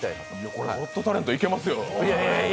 これ、「ゴット・タレント」いけますよ。